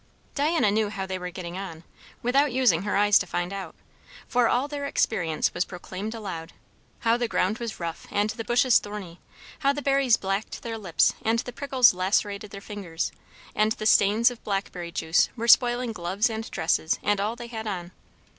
Diana knew how they were getting on, without using her eyes to find out; for all their experience was proclaimed aloud. How the ground was rough and the bushes thorny, how the berries blacked their lips and the prickles lacerated their fingers, and the stains of blackberry juice were spoiling gloves and dresses and all they had on.